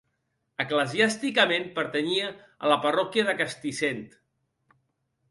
Eclesiàsticament pertanyia a la parròquia de Castissent.